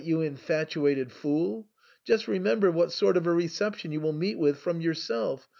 you infatuated fool. Just remem ber what sort of a reception you will meet with from yourself.